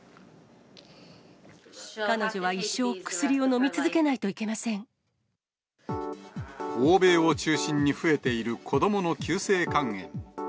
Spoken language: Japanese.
彼女は一生薬をのみ続けない欧米を中心に増えている子どもの急性肝炎。